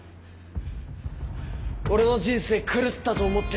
俺の人生狂ったと思ってた。